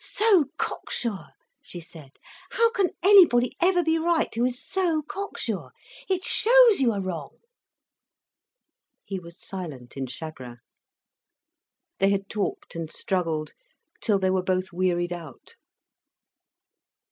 "So cocksure!" she said. "How can anybody ever be right, who is so cocksure? It shows you are wrong." He was silent in chagrin. They had talked and struggled till they were both wearied out.